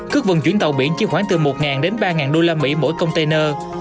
cước vận chuyển tàu biển chiếm khoảng từ một ba usd mỗi container